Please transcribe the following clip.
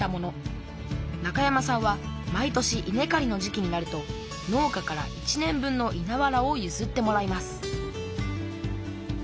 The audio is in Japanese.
中山さんは毎年いねかりの時期になると農家から１年分のいなわらをゆずってもらいます